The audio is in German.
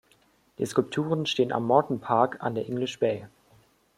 Die Skulpturen stehen am Morton Park an der English Bay.